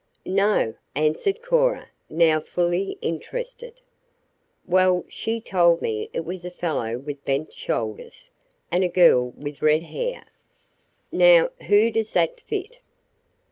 "No," answered Cora, now fully interested. "Well, she told me it was a fellow with bent shoulders, and a girl with red hair. Now, who does that fit?"